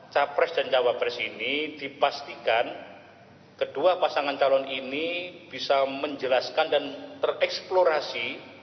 capres dan cawapres ini dipastikan kedua pasangan calon ini bisa menjelaskan dan tereksplorasi